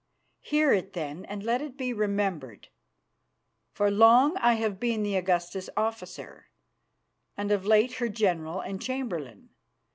Hear it, then, and let it be remembered. For long I have been the Augusta's officer, and of late her general and chamberlain.